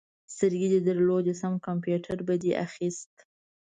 سترګې دې درلودې؛ سم کمپيوټر به دې اخيست.